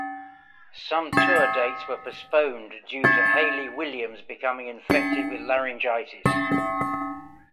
Some tour dates were postponed due to Hayley Williams becoming infected with laryngitis.